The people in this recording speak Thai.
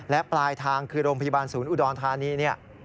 และปลายทางคือโรงพยาบาลศูนย์อุดรธานีเนี่ย